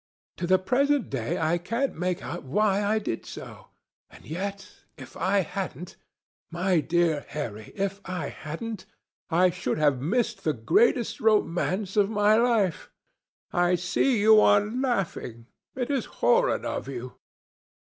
To the present day I can't make out why I did so; and yet if I hadn't—my dear Harry, if I hadn't—I should have missed the greatest romance of my life. I see you are laughing. It is horrid of you!"